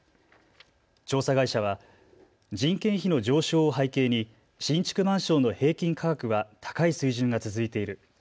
調査会社は人件費の上昇を背景に新築マンションの平均価格は高い水準が続いている。